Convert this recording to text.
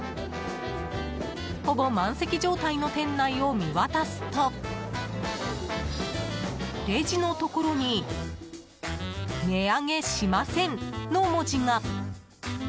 ほぼ満席状態の店内を見渡すとレジのところに「値上げしません」の文字が。